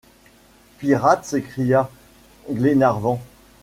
Pirates! s’écria Glenarvan.